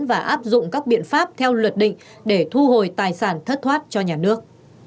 và áp dụng các biện pháp theo luật định để thu hồi tài sản thất thoát cho nhà nước